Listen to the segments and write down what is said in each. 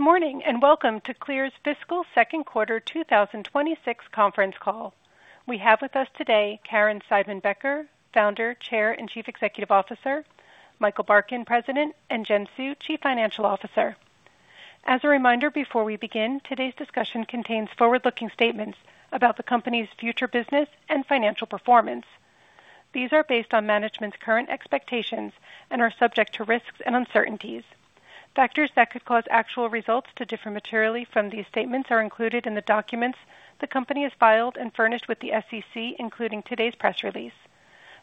Good morning, and welcome to CLEAR's fiscal second quarter 2026 conference call. We have with us today Caryn Seidman Becker, Founder, Chair, and Chief Executive Officer, Michael Barkin, President, and Jen Hsu, Chief Financial Officer. As a reminder, before we begin, today's discussion contains forward-looking statements about the company's future business and financial performance. These are based on management's current expectations and are subject to risks and uncertainties. Factors that could cause actual results to differ materially from these statements are included in the documents the company has filed and furnished with the SEC, including today's press release.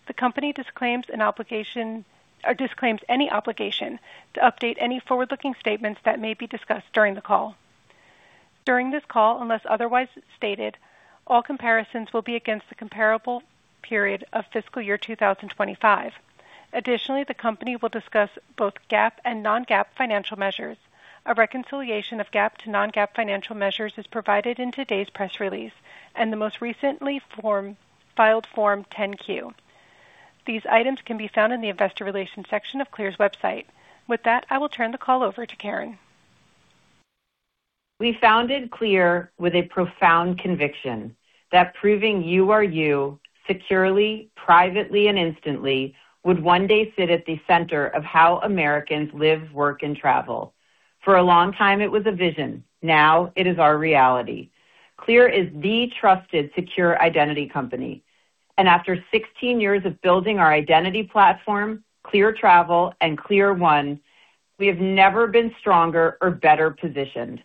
The company disclaims any obligation to update any forward-looking statements that may be discussed during the call. During this call, unless otherwise stated, all comparisons will be against the comparable period of fiscal year 2025. Additionally, the company will discuss both GAAP and non-GAAP financial measures. A reconciliation of GAAP to non-GAAP financial measures is provided in today's press release and the most recently filed Form 10-Q. These items can be found in the investor relations section of CLEAR's website. With that, I will turn the call over to Caryn. We founded CLEAR with a profound conviction that proving you are you securely, privately, and instantly would one day sit at the center of how Americans live, work, and travel. For a long time, it was a vision. Now it is our reality. CLEAR is the trusted secure identity company, and after 16 years of building our identity platform, CLEAR Travel and CLEAR1, we have never been stronger or better positioned.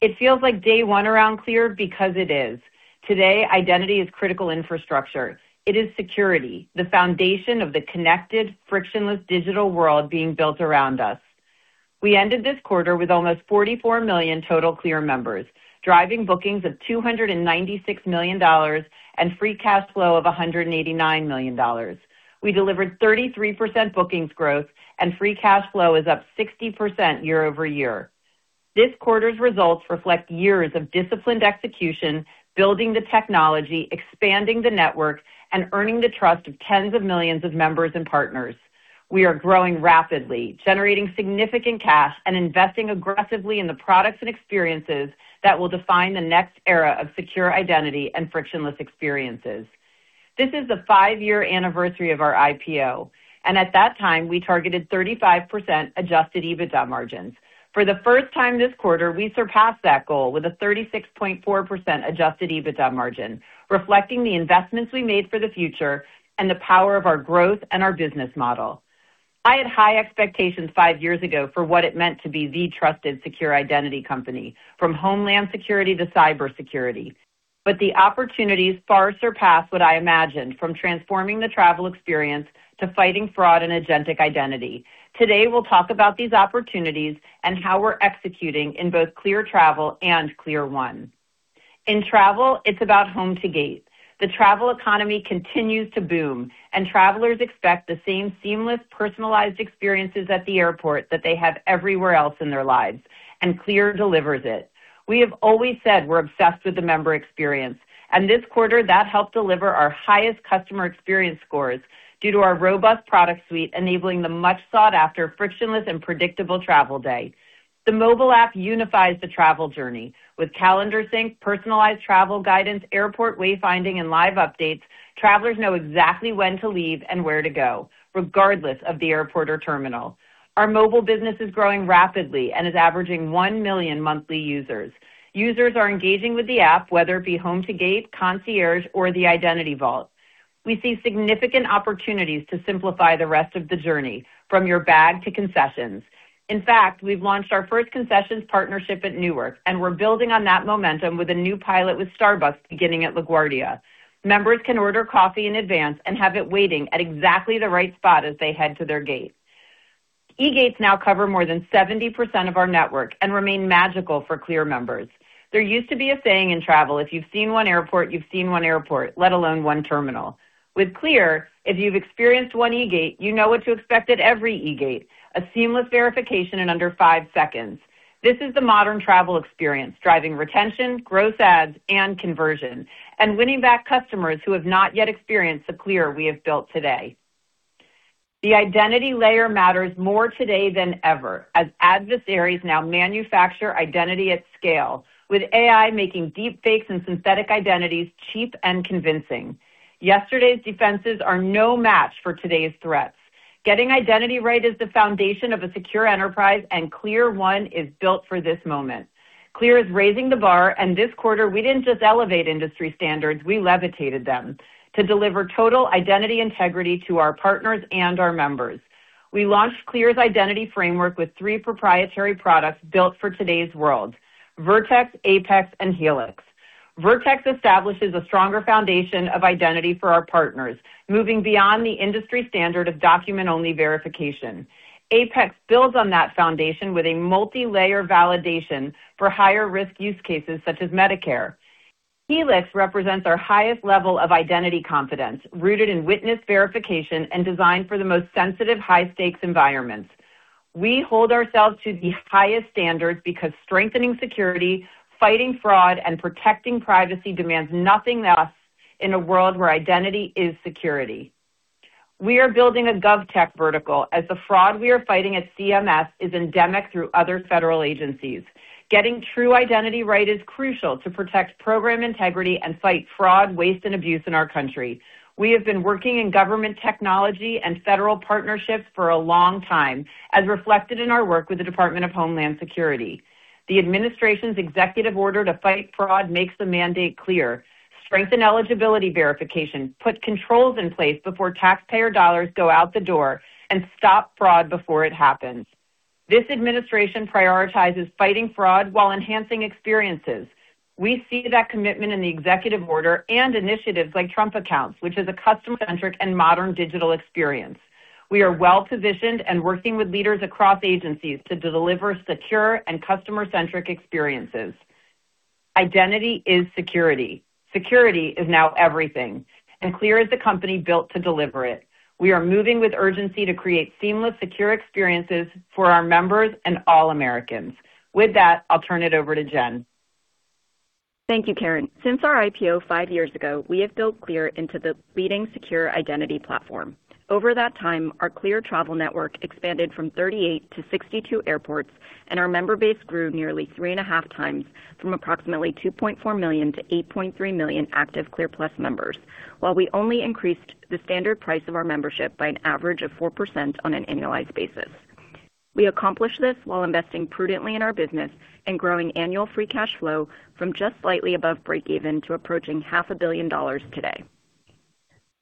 It feels like day one around CLEAR because it is. Today, identity is critical infrastructure. It is security, the foundation of the connected, frictionless digital world being built around us. We ended this quarter with almost 44 million total CLEAR members, driving bookings of $296 million and free cash flow of $189 million. We delivered 33% bookings growth, and free cash flow is up 60% year-over-year. This quarter's results reflect years of disciplined execution, building the technology, expanding the networks, and earning the trust of tens of millions of members and partners. We are growing rapidly, generating significant cash, and investing aggressively in the products and experiences that will define the next era of secure identity and frictionless experiences. This is the five-year anniversary of our IPO, and at that time, we targeted 35% adjusted EBITDA margins. For the first time this quarter, we surpassed that goal with a 36.4% adjusted EBITDA margin, reflecting the investments we made for the future and the power of our growth and our business model. I had high expectations five years ago for what it meant to be the trusted secure identity company, from Homeland Security to cybersecurity. The opportunities far surpass what I imagined, from transforming the travel experience to fighting fraud and agentic identity. Today, we'll talk about these opportunities and how we're executing in both CLEAR Travel and CLEAR1. In travel, it's about home to gate. The travel economy continues to boom, and travelers expect the same seamless, personalized experiences at the airport that they have everywhere else in their lives, and CLEAR delivers it. We have always said we're obsessed with the member experience, and this quarter that helped deliver our highest customer experience scores due to our robust product suite enabling the much sought-after frictionless and predictable travel day. The mobile app unifies the travel journey. With calendar sync, personalized travel guidance, airport wayfinding, and live updates, travelers know exactly when to leave and where to go, regardless of the airport or terminal. Our mobile business is growing rapidly and is averaging 1 million monthly users. Users are engaging with the app, whether it be home to gate, CLEAR Concierge, or the identity vault. We see significant opportunities to simplify the rest of the journey, from your bag to concessions. In fact, we've launched our first concessions partnership at Newark, and we're building on that momentum with a new pilot with Starbucks beginning at LaGuardia. Members can order coffee in advance and have it waiting at exactly the right spot as they head to their gate. eGates now cover more than 70% of our network and remain magical for CLEAR members. There used to be a saying in travel, if you've seen one airport, you've seen one airport, let alone one terminal. With CLEAR, if you've experienced one eGate, you know what to expect at every eGate: a seamless verification in under five seconds. This is the modern travel experience, driving retention, gross adds, and conversion, and winning back customers who have not yet experienced the CLEAR we have built today. The identity layer matters more today than ever, as adversaries now manufacture identity at scale, with AI making deep fakes and synthetic identities cheap and convincing. Yesterday's defenses are no match for today's threats. Getting identity right is the foundation of a secure enterprise, and CLEAR1 is built for this moment. CLEAR is raising the bar, and this quarter, we didn't just elevate industry standards, we levitated them to deliver total identity integrity to our partners and our members. We launched CLEAR's identity framework with three proprietary products built for today's world: Vertex, Apex, and Helix. Vertex establishes a stronger foundation of identity for our partners, moving beyond the industry standard of document-only verification. Apex builds on that foundation with a multilayer validation for higher-risk use cases such as Medicare. Helix represents our highest level of identity confidence, rooted in witness verification and designed for the most sensitive, high-stakes environments. We hold ourselves to the highest standards because strengthening security, fighting fraud, and protecting privacy demands nothing less in a world where identity is security. We are building a GovTech vertical as the fraud we are fighting at CMS is endemic through other federal agencies. Getting true identity right is crucial to protect program integrity and fight fraud, waste, and abuse in our country. We have been working in government technology and federal partnerships for a long time, as reflected in our work with the Department of Homeland Security. The administration's executive order to fight fraud makes the mandate clear: strengthen eligibility verification, put controls in place before taxpayer dollars go out the door, and stop fraud before it happens. This administration prioritizes fighting fraud while enhancing experiences. We see that commitment in the executive order and initiatives like Trust accounts, which is a customer-centric and modern digital experience. We are well-positioned and working with leaders across agencies to deliver secure and customer-centric experiences. Identity is security. Security is now everything, and CLEAR is the company built to deliver it. We are moving with urgency to create seamless, secure experiences for our members and all Americans. With that, I'll turn it over to Jen. Thank you, Caryn. Since our IPO five years ago, we have built CLEAR into the leading secure identity platform. Over that time, our CLEAR Travel network expanded from 38 to 62 airports, and our member base grew nearly three and a half times from approximately $2.4 million to $8.3 million active CLEAR+ members. While we only increased the standard price of our membership by an average of 4% on an annualized basis. We accomplished this while investing prudently in our business and growing annual free cash flow from just slightly above breakeven to approaching half a billion dollars today.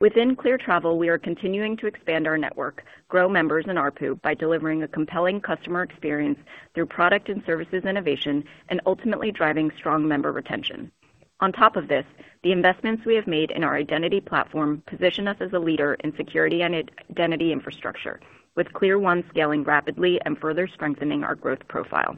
Within CLEAR Travel, we are continuing to expand our network, grow members and ARPU by delivering a compelling customer experience through product and services innovation, and ultimately driving strong member retention. On top of this, the investments we have made in our identity platform position us as a leader in security and identity infrastructure, with CLEAR1 scaling rapidly and further strengthening our growth profile.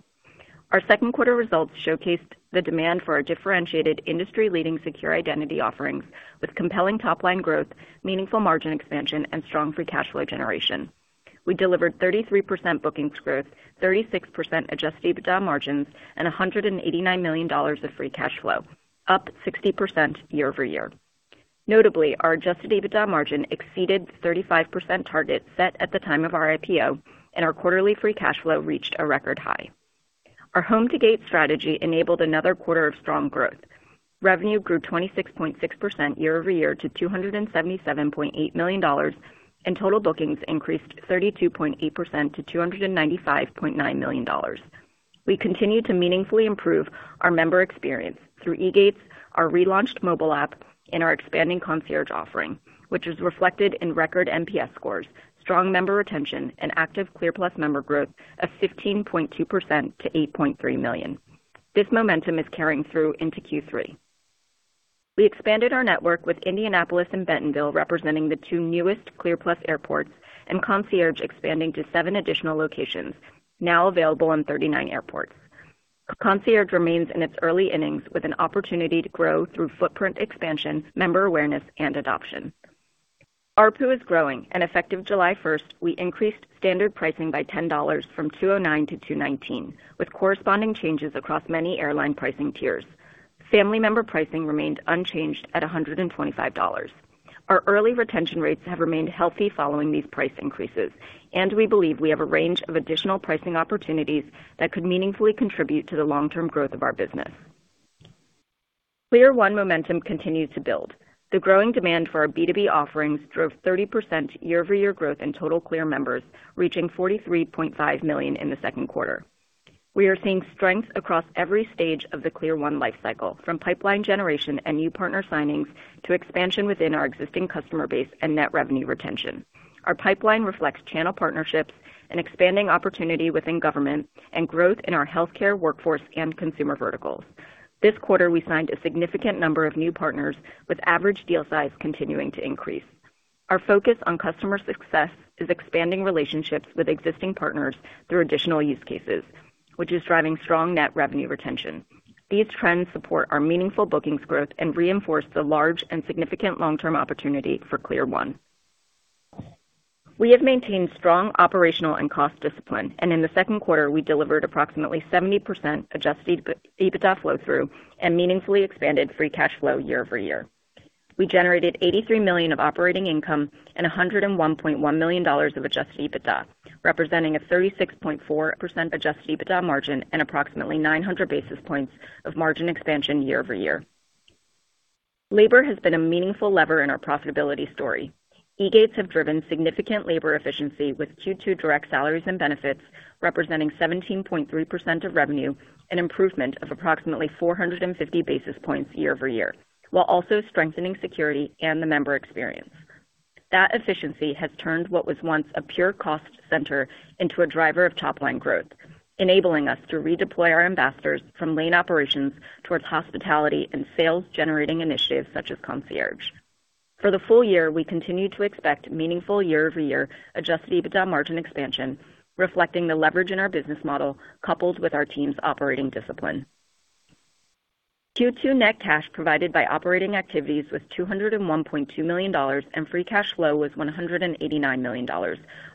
Our second quarter results showcased the demand for our differentiated industry-leading secure identity offerings with compelling top-line growth, meaningful margin expansion, and strong free cash flow generation. We delivered 33% bookings growth, 36% adjusted EBITDA margins, and $189 million of free cash flow, up 60% year-over-year. Notably, our adjusted EBITDA margin exceeded 35% target set at the time of our IPO, and our quarterly free cash flow reached a record high. Our Home to Gate strategy enabled another quarter of strong growth. Revenue grew 26.6% year-over-year to $277.8 million, and total bookings increased 32.8% to $295.9 million. We continue to meaningfully improve our member experience through eGates, our relaunched mobile app, and our expanding concierge offering, which is reflected in record NPS scores, strong member retention, and active CLEAR+ member growth of 15.2% to $8.3 million. This momentum is carrying through into Q3. We expanded our network with Indianapolis and Bentonville representing the two newest CLEAR+ airports, and CLEAR Concierge expanding to seven additional locations now available in 39 airports. CLEAR Concierge remains in its early innings with an opportunity to grow through footprint expansion, member awareness, and adoption. ARPU is growing, and effective July 1st, we increased standard pricing by $10 from $209 to $219, with corresponding changes across many airline pricing tiers. Family member pricing remained unchanged at $125. Our early retention rates have remained healthy following these price increases, and we believe we have a range of additional pricing opportunities that could meaningfully contribute to the long-term growth of our business. CLEAR1 momentum continues to build. The growing demand for our B2B offerings drove 30% year-over-year growth in total CLEAR members, reaching 43.5 million in the second quarter. We are seeing strength across every stage of the CLEAR1 lifecycle, from pipeline generation and new partner signings to expansion within our existing customer base and net revenue retention. Our pipeline reflects channel partnerships and expanding opportunity within government and growth in our healthcare workforce and consumer verticals. This quarter, we signed a significant number of new partners with average deal size continuing to increase. Our focus on customer success is expanding relationships with existing partners through additional use cases, which is driving strong net revenue retention. These trends support our meaningful bookings growth and reinforce the large and significant long-term opportunity for CLEAR1. We have maintained strong operational and cost discipline, and in the second quarter, we delivered approximately 70% adjusted EBITDA flow-through and meaningfully expanded free cash flow year-over-year. We generated $83 million of operating income and $101.1 million of adjusted EBITDA, representing a 36.4% adjusted EBITDA margin and approximately 900 basis points of margin expansion year-over-year. Labor has been a meaningful lever in our profitability story. eGates have driven significant labor efficiency, with Q2 direct salaries and benefits representing 17.3% of revenue, an improvement of approximately 450 basis points year-over-year, while also strengthening security and the member experience. That efficiency has turned what was once a pure cost center into a driver of top-line growth, enabling us to redeploy our ambassadors from lane operations towards hospitality and sales-generating initiatives such as concierge. For the full year, we continue to expect meaningful year-over-year adjusted EBITDA margin expansion, reflecting the leverage in our business model coupled with our team's operating discipline. Q2 net cash provided by operating activities was $201.2 million, and free cash flow was $189 million,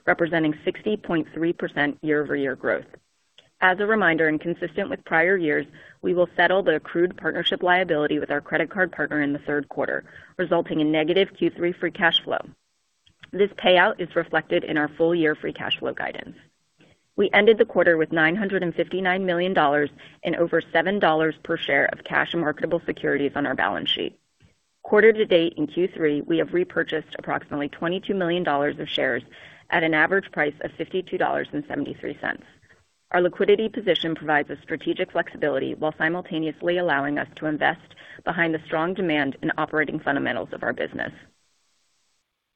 representing 60.3% year-over-year growth. As a reminder, consistent with prior years, we will settle the accrued partnership liability with our credit card partner in the third quarter, resulting in negative Q3 free cash flow. This payout is reflected in our full-year free cash flow guidance. We ended the quarter with $959 million in over $7 per share of cash and marketable securities on our balance sheet. Quarter to date in Q3, we have repurchased approximately $22 million of shares at an average price of $52.73. Our liquidity position provides us strategic flexibility while simultaneously allowing us to invest behind the strong demand in operating fundamentals of our business.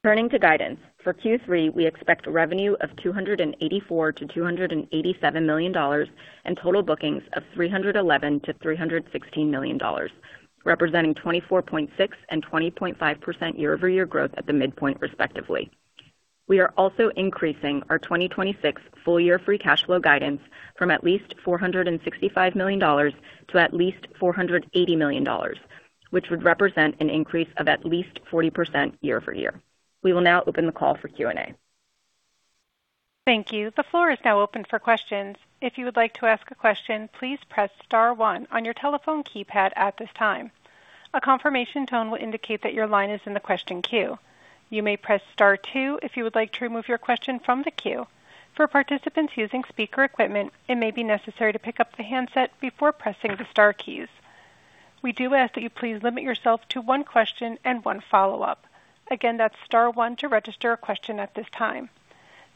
Turning to guidance. For Q3, we expect revenue of $284 million-$287 million and total bookings of $311 million-$316 million, representing 24.6% and 20.5% year-over-year growth at the midpoint respectively. We are also increasing our 2026 full year free cash flow guidance from at least $465 million to at least $480 million, which would represent an increase of at least 40% year-over-year. We will now open the call for Q&A. Thank you. The floor is now open for questions. If you would like to ask a question, please press star one on your telephone keypad at this time. A confirmation tone will indicate that your line is in the question queue. You may press star two if you would like to remove your question from the queue. For participants using speaker equipment, it may be necessary to pick up the handset before pressing the star keys. We do ask that you please limit yourself to one question and one follow-up. Again, that's star one to register a question at this time.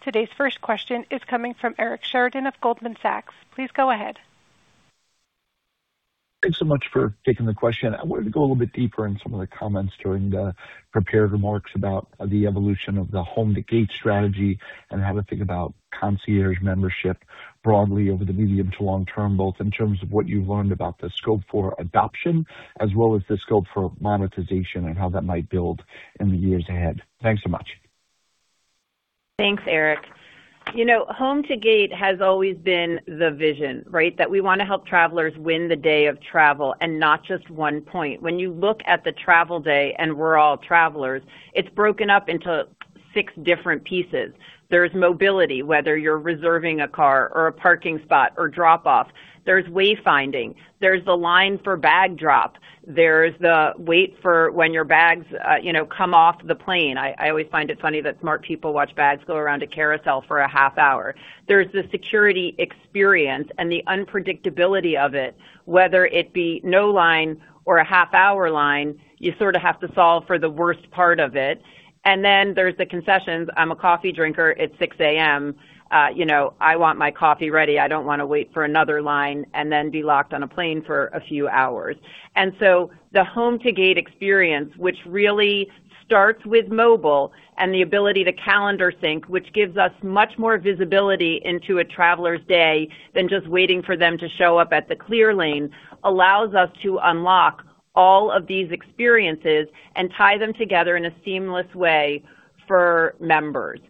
Today's first question is coming from Eric Sheridan of Goldman Sachs. Please go ahead. Thanks so much for taking the question. I wanted to go a little bit deeper in some of the comments during the prepared remarks about the evolution of the home-to-gate strategy and how to think about concierge membership broadly over the medium to long term, both in terms of what you've learned about the scope for adoption as well as the scope for monetization and how that might build in the years ahead. Thanks so much. Thanks, Eric. Home-to-gate has always been the vision, right? That we want to help travelers win the day of travel and not just one point. When you look at the travel day, and we're all travelers, it's broken up into six different pieces. There's mobility, whether you're reserving a car or a parking spot or drop off. There's wayfinding, there's the line for bag drop, there's the wait for when your bags come off the plane. I always find it funny that smart people watch bags go around a carousel for a half-hour. There's the security experience and the unpredictability of it, whether it be no line or a half-hour line, you sort of have to solve for the worst part of it. Then there's the concessions. I'm a coffee drinker. It's 6:00 A.M. I want my coffee ready. I don't want to wait for another line and then be locked on a plane for a few hours. So the home-to-gate experience, which really starts with mobile and the ability to calendar sync, which gives us much more visibility into a traveler's day than just waiting for them to show up at the CLEAR lane, allows us to unlock all of these experiences and tie them together in a seamless way for members.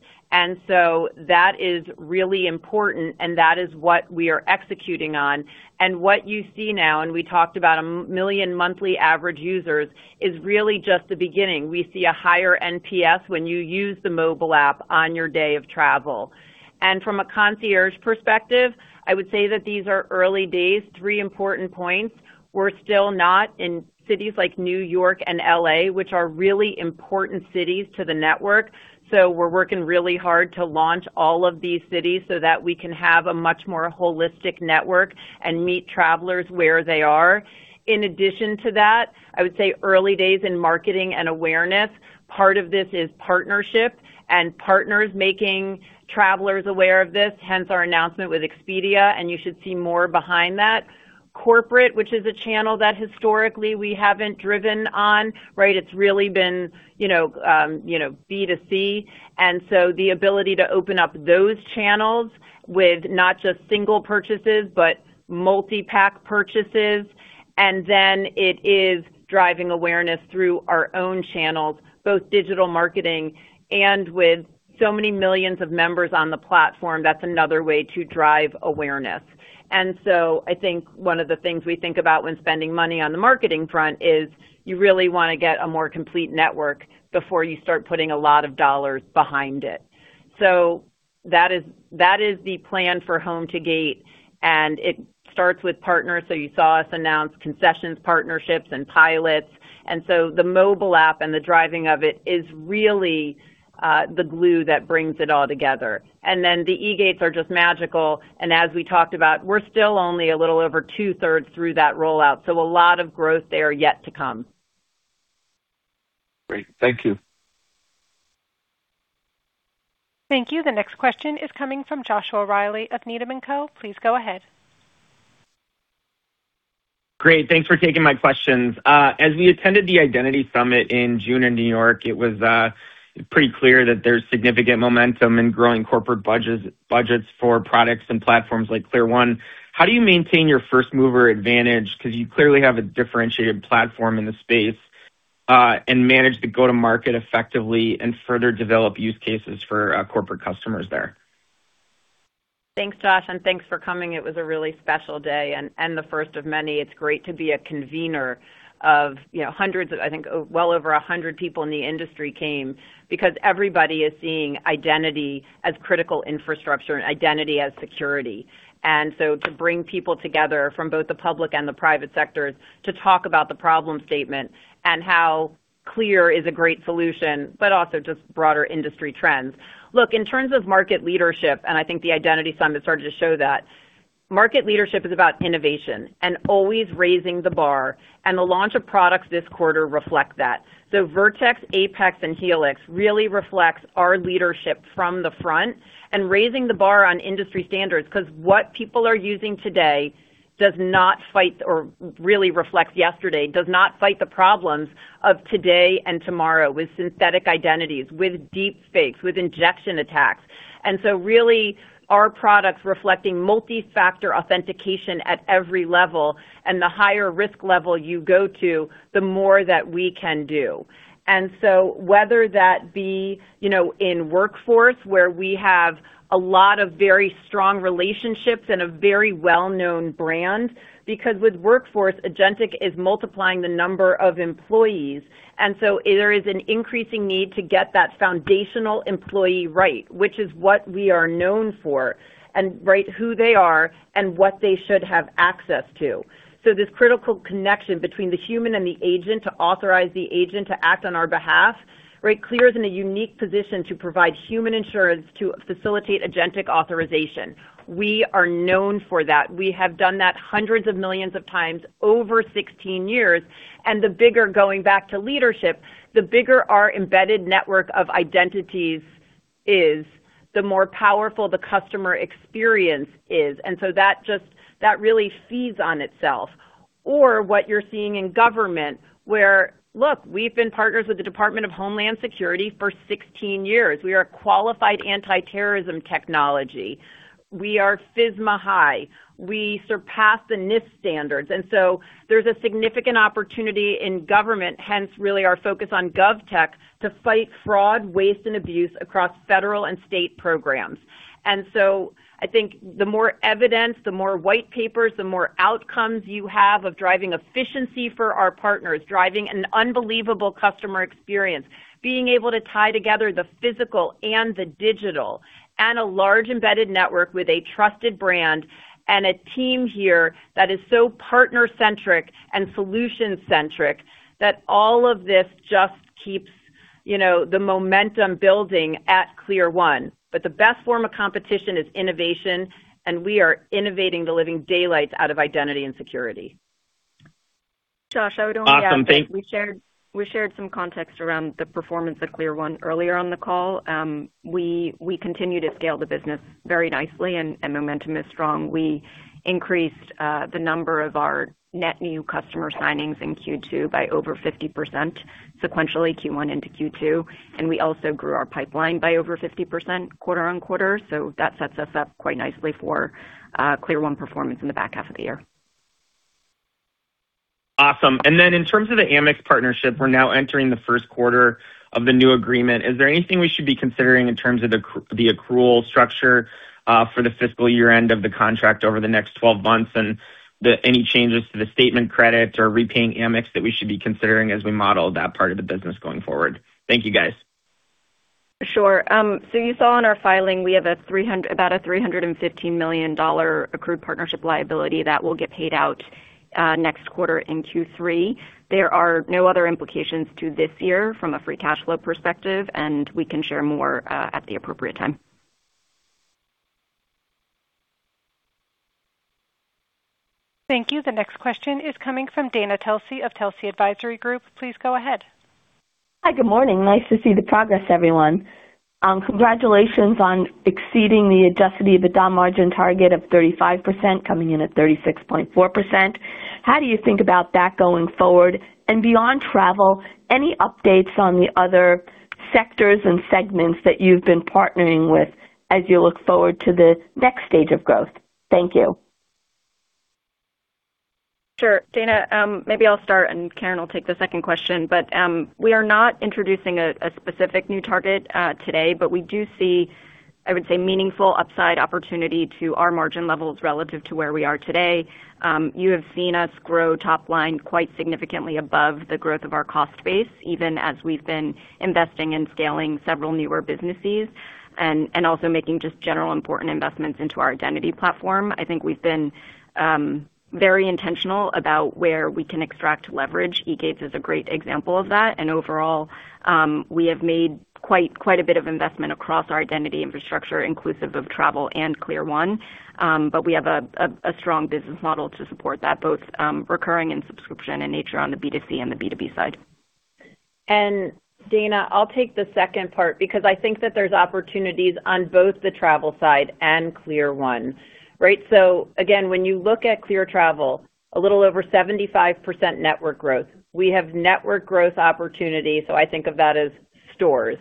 So that is really important and that is what we are executing on. What you see now, and we talked about 1 million monthly average users, is really just the beginning. We see a higher NPS when you use the mobile app on your day of travel. From a concierge perspective, I would say that these are early days. Three important points. We're still not in cities like New York and L.A., which are really important cities to the network. We're working really hard to launch all of these cities so that we can have a much more holistic network and meet travelers where they are. In addition to that, I would say early days in marketing and awareness. Part of this is partnership and partners making travelers aware of this, hence our announcement with Expedia, and you should see more behind that. Corporate, which is a channel that historically we haven't driven on, right? It's really been B2C. The ability to open up those channels with not just single purchases but multi-pack purchases. Then it is driving awareness through our own channels, both digital marketing and with so many millions of members on the platform. That's another way to drive awareness. I think one of the things we think about when spending money on the marketing front is you really want to get a more complete network before you start putting a lot of dollars behind it. That is the plan for home to gate, and it starts with partners. You saw us announce concessions, partnerships, and pilots, and so the mobile app and the driving of it is really the glue that brings it all together. Then the eGates are just magical, and as we talked about, we're still only a little over two-thirds through that rollout, so a lot of growth there yet to come. Great. Thank you. Thank you. The next question is coming from Joshua Reilly of Needham & Co. Please go ahead. Great. Thanks for taking my questions. As we attended the Identity Summit in June in New York, it was pretty clear that there is significant momentum in growing corporate budgets for products and platforms like CLEAR1. How do you maintain your first-mover advantage? You clearly have a differentiated platform in the space and manage to go to market effectively and further develop use cases for corporate customers there. Thanks, Josh, and thanks for coming. It was a really special day and the first of many. It is great to be a convener of hundreds, I think well over 100 people in the industry came because everybody is seeing identity as critical infrastructure and identity as security. To bring people together from both the public and the private sectors to talk about the problem statement and how CLEAR is a great solution, but also just broader industry trends. Look, in terms of market leadership, and I think the Identity Summit started to show that, market leadership is about innovation and always raising the bar, and the launch of products this quarter reflect that. Vertex, Apex, and Helix really reflects our leadership from the front and raising the bar on industry standards. What people are using today really reflects yesterday, does not fight the problems of today and tomorrow with synthetic identities, with deep fakes, with injection attacks. Really our products reflecting multi-factor authentication at every level, and the higher risk level you go to, the more that we can do. Whether that be in Workforce, where we have a lot of very strong relationships and a very well-known brand, with Workforce, agentic is multiplying the number of employees, and there is an increasing need to get that foundational employee right, which is what we are known for, and who they are and what they should have access to. This critical connection between the human and the agent to authorize the agent to act on our behalf. CLEAR is in a unique position to provide human insurance to facilitate agentic authorization. We are known for that. We have done that hundreds of millions of times over 16 years, going back to leadership, the bigger our embedded network of identities is, the more powerful the customer experience is. That really feeds on itself. What you are seeing in government where, look, we have been partners with the Department of Homeland Security for 16 years. We are a qualified anti-terrorism technology. We are FISMA high. We surpass the NIST standards. There is a significant opportunity in government, hence really our focus on GovTech to fight fraud, waste, and abuse across federal and state programs. I think the more evidence, the more white papers, the more outcomes you have of driving efficiency for our partners, driving an unbelievable customer experience, being able to tie together the physical and the digital, and a large embedded network with a trusted brand and a team here that is so partner-centric and solution-centric, that all of this just keeps the momentum building at CLEAR1. The best form of competition is innovation, and we are innovating the living daylights out of identity and security. Josh, I would only add that we shared some context around the performance of CLEAR1 earlier on the call. We continue to scale the business very nicely and momentum is strong. We increased the number of our net new customer signings in Q2 by over 50% sequentially, Q1 into Q2, and we also grew our pipeline by over 50% quarter-on-quarter. That sets us up quite nicely for CLEAR1 performance in the back half of the year. Awesome. In terms of the Amex partnership, we're now entering the first quarter of the new agreement. Is there anything we should be considering in terms of the accrual structure for the fiscal year-end of the contract over the next 12 months, and any changes to the statement credits or repaying Amex that we should be considering as we model that part of the business going forward? Thank you, guys. Sure. You saw in our filing, we have about a $315 million accrued partnership liability that will get paid out next quarter in Q3. There are no other implications to this year from a free cash flow perspective, and we can share more at the appropriate time. Thank you. The next question is coming from Dana Telsey of Telsey Advisory Group. Please go ahead. Hi. Good morning. Nice to see the progress, everyone. Congratulations on exceeding the adjusted EBITDA margin target of 35%, coming in at 36.4%. How do you think about that going forward? Beyond travel, any updates on the other sectors and segments that you've been partnering with as you look forward to the next stage of growth? Thank you. Sure. Dana, maybe I'll start and Caryn will take the second question. We are not introducing a specific new target today, but we do see, I would say, meaningful upside opportunity to our margin levels relative to where we are today. You have seen us grow top line quite significantly above the growth of our cost base, even as we've been investing in scaling several newer businesses and also making just general important investments into our identity platform. I think we've been very intentional about where we can extract leverage, eGates is a great example of that. Overall, we have made quite a bit of investment across our identity infrastructure, inclusive of travel and CLEAR1. We have a strong business model to support that, both recurring and subscription in nature on the B2C and the B2B side. Dana, I'll take the second part because I think that there's opportunities on both the travel side and CLEAR1. Again, when you look at CLEAR Travel, a little over 75% network growth. We have network growth opportunity, so I think of that as stores.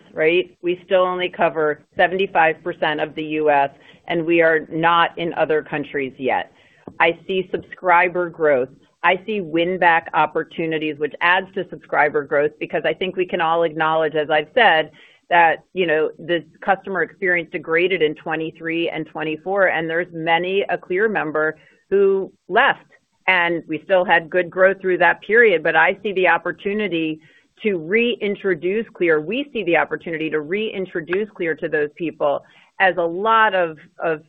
We still only cover 75% of the U.S., and we are not in other countries yet. I see subscriber growth. I see win-back opportunities, which adds to subscriber growth because I think we can all acknowledge, as I've said, that the customer experience degraded in 2023 and 2024, and there's many a CLEAR member who left. We still had good growth through that period. I see the opportunity to reintroduce CLEAR. We see the opportunity to reintroduce CLEAR to those people as a lot of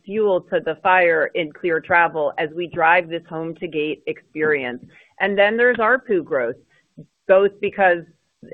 fuel to the fire in CLEAR Travel as we drive this home to gate experience. There's ARPU growth, both because,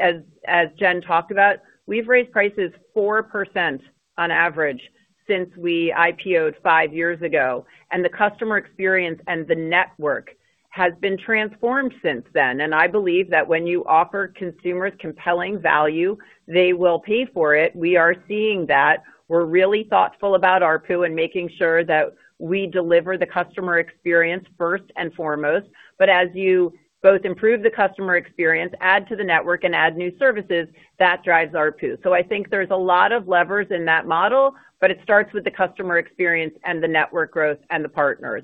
as Jen talked about, we've raised prices 4% on average since we IPO'd five years ago, and the customer experience and the network has been transformed since then. I believe that when you offer consumers compelling value, they will pay for it. We are seeing that. We're really thoughtful about ARPU and making sure that we deliver the customer experience first and foremost. As you both improve the customer experience, add to the network, and add new services, that drives ARPU. I think there's a lot of levers in that model, but it starts with the customer experience and the network growth and the partners.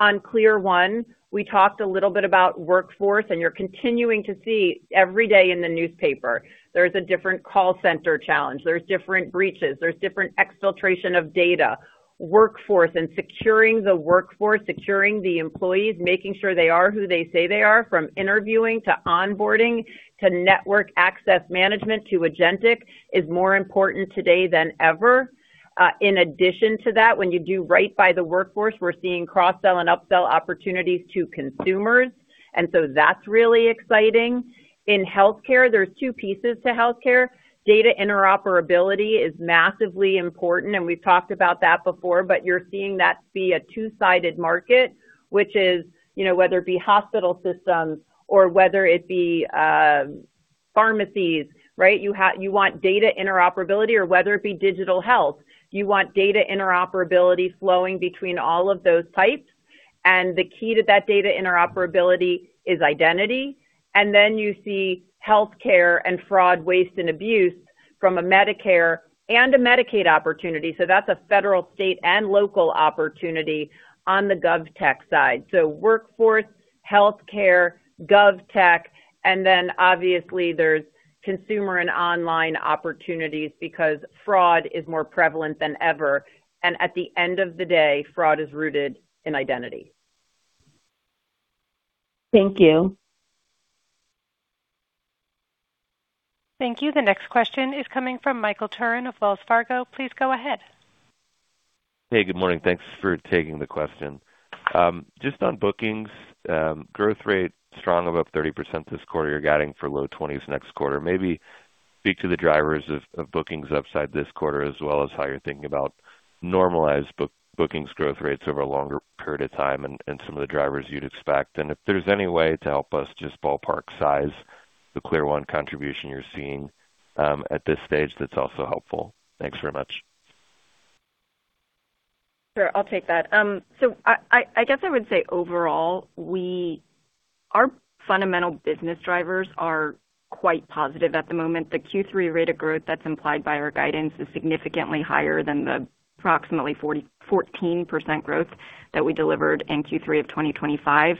On CLEAR1, we talked a little bit about workforce, and you're continuing to see every day in the newspaper, there's a different call center challenge, there's different breaches, there's different exfiltration of data. Workforce, securing the workforce, securing the employees, making sure they are who they say they are, from interviewing to onboarding to network access management to agentic, is more important today than ever. In addition to that, when you do right by the workforce, we're seeing cross-sell and upsell opportunities to consumers, that's really exciting. In healthcare, there's two pieces to healthcare. Data interoperability is massively important, and we've talked about that before, but you're seeing that be a two-sided market, which is whether it be hospital systems or whether it be pharmacies. You want data interoperability or whether it be digital health. You want data interoperability flowing between all of those types. The key to that data interoperability is identity. You see healthcare and fraud, waste and abuse from a Medicare and a Medicaid opportunity. That's a federal, state, and local opportunity on the GovTech side. Workforce, healthcare, GovTech, obviously there's consumer and online opportunities because fraud is more prevalent than ever. At the end of the day, fraud is rooted in identity. Thank you. Thank you. The next question is coming from Michael Turrin of Wells Fargo. Please go ahead. Hey, good morning. Thanks for taking the question. Just on bookings, growth rate strong above 30% this quarter. You're guiding for low twenties next quarter. Maybe speak to the drivers of bookings upside this quarter as well as how you're thinking about normalized bookings growth rates over a longer period of time and some of the drivers you'd expect. If there's any way to help us just ballpark size the CLEAR1 contribution you're seeing at this stage, that's also helpful. Thanks very much. Sure. I'll take that. I guess I would say overall, our fundamental business drivers are quite positive at the moment. The Q3 rate of growth that's implied by our guidance is significantly higher than the approximately 14% growth that we delivered in Q3 of 2025.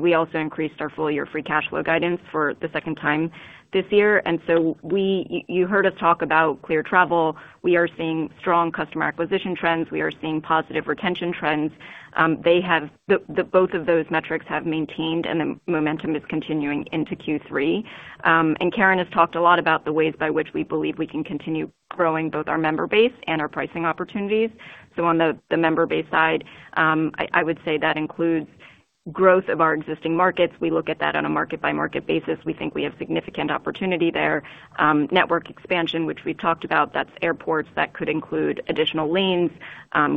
We also increased our full-year free cash flow guidance for the second time this year. You heard us talk about CLEAR Travel. We are seeing strong customer acquisition trends. We are seeing positive retention trends. Both of those metrics have maintained and the momentum is continuing into Q3. Caryn has talked a lot about the ways by which we believe we can continue growing both our member base and our pricing opportunities. On the member base side, I would say that includes growth of our existing markets. We look at that on a market-by-market basis. We think we have significant opportunity there. Network expansion, which we've talked about, that's airports. That could include additional lanes,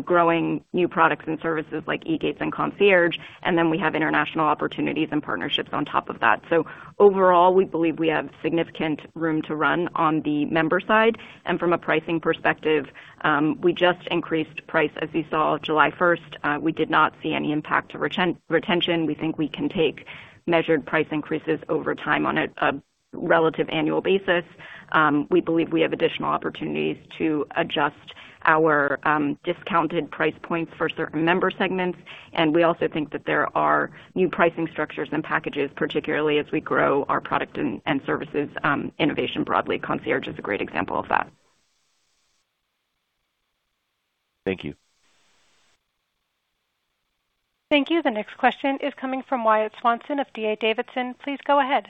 growing new products and services like eGates and CLEAR Concierge. Then we have international opportunities and partnerships on top of that. Overall, we believe we have significant room to run on the member side. From a pricing perspective, we just increased price, as you saw, July 1st. We did not see any impact to retention. We think we can take measured price increases over time on a relative annual basis. We believe we have additional opportunities to adjust our discounted price points for certain member segments, and we also think that there are new pricing structures and packages, particularly as we grow our product and services innovation broadly. CLEAR Concierge is a great example of that. Thank you. Thank you. The next question is coming from Wyatt Swanson of D.A. Davidson. Please go ahead.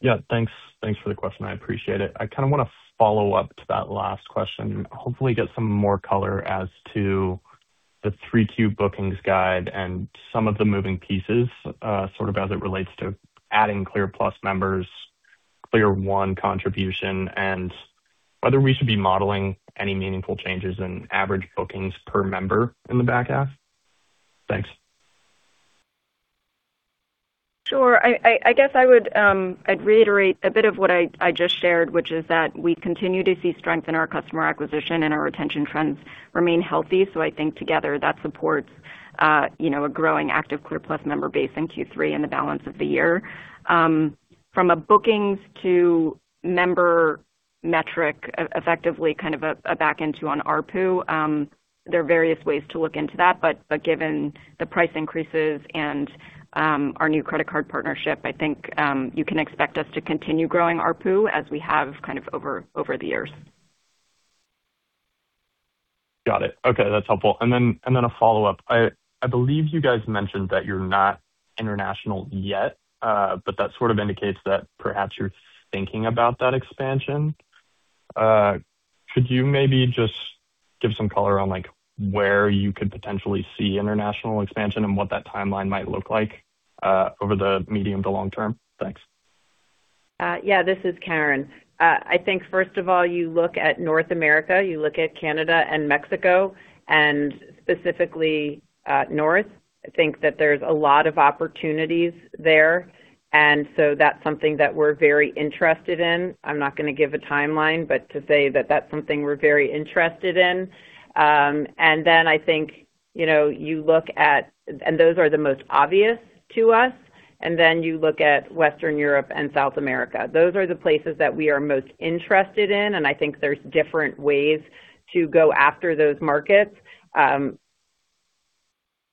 Yeah. Thanks for the question. I appreciate it. I kind of want to follow up to that last question, hopefully get some more color as to the 3Q bookings guide and some of the moving pieces, sort of as it relates to adding CLEAR+ members, CLEAR1 contribution, and whether we should be modeling any meaningful changes in average bookings per member in the back half. Thanks. Sure. I guess I would reiterate a bit of what I just shared, which is that we continue to see strength in our customer acquisition and our retention trends remain healthy. I think together that supports a growing active CLEAR+ member base in Q3 and the balance of the year. From a bookings to member metric, effectively kind of a back into on ARPU, there are various ways to look into that. Given the price increases and our new credit card partnership, I think you can expect us to continue growing ARPU as we have kind of over the years. Got it. Okay, that's helpful. A follow-up. I believe you guys mentioned that you're not international yet, that sort of indicates that perhaps you're thinking about that expansion. Could you maybe just give some color on where you could potentially see international expansion and what that timeline might look like, over the medium to long term? Thanks. Yeah, this is Caryn. I think, first of all, you look at North America, you look at Canada and Mexico. Specifically North. I think that there's a lot of opportunities there, that's something that we're very interested in. I'm not going to give a timeline, to say that that's something we're very interested in. Those are the most obvious to us, you look at Western Europe. South America. Those are the places that we are most interested in, I think there's different ways to go after those markets.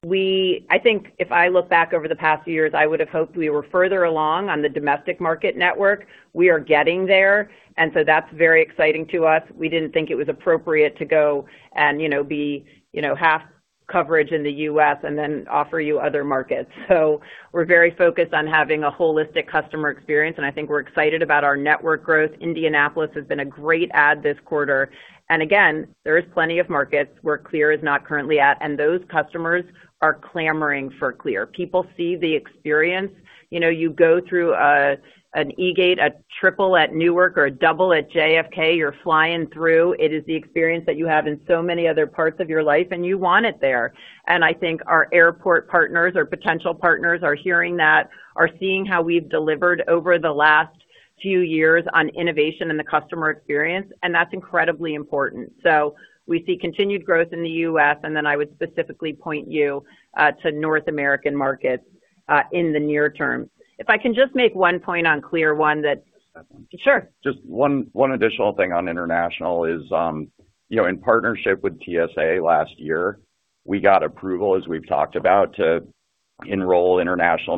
I think if I look back over the past few years, I would've hoped we were further along on the domestic market network. We are getting there, that's very exciting to us. We didn't think it was appropriate to go and be half coverage in the U.S. and then offer you other markets. We're very focused on having a holistic customer experience, I think we're excited about our network growth. Indianapolis has been a great add this quarter. Again, there is plenty of markets where CLEAR is not currently at, those customers are clamoring for CLEAR. People see the experience. You go through an eGate, a triple at Newark or a double at JFK. You're flying through. It is the experience that you have in so many other parts of your life, you want it there. I think our airport partners or potential partners are hearing that, are seeing how we've delivered over the last few years on innovation and the customer experience, that's incredibly important. We see continued growth in the U.S., I would specifically point you to North American markets, in the near term. If I can just make one point on CLEAR1 that Sure. Just one additional thing on international is, in partnership with TSA last year, we got approval, as we've talked about, to enroll international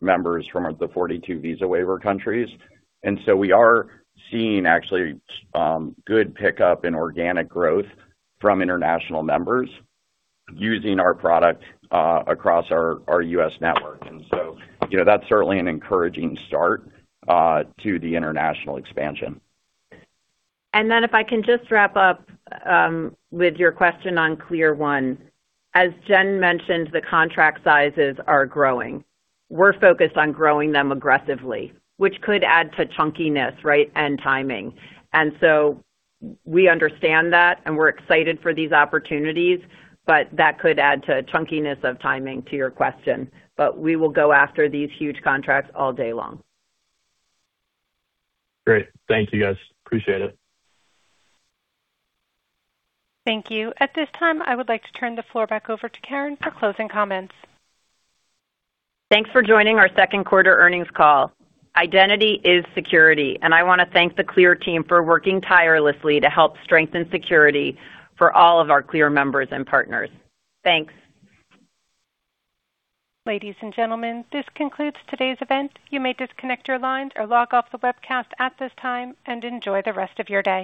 members from the 42 visa waiver countries. We are seeing actually good pickup in organic growth from international members using our product across our U.S. network. That's certainly an encouraging start to the international expansion. If I can just wrap up with your question on CLEAR1. As Jen mentioned, the contract sizes are growing. We're focused on growing them aggressively, which could add to chunkiness, right, and timing. We understand that, and we're excited for these opportunities, but that could add to chunkiness of timing to your question. We will go after these huge contracts all day long. Great. Thank you, guys. Appreciate it. Thank you. At this time, I would like to turn the floor back over to Caryn for closing comments. Thanks for joining our second quarter earnings call. Identity is security, and I want to thank the CLEAR team for working tirelessly to help strengthen security for all of our CLEAR members and partners. Thanks. Ladies and gentlemen, this concludes today's event. You may disconnect your lines or log off the webcast at this time, enjoy the rest of your day.